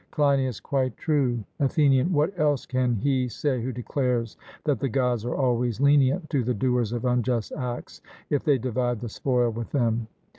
CLEINIAS: Quite true. ATHENIAN: What else can he say who declares that the Gods are always lenient to the doers of unjust acts, if they divide the spoil with them?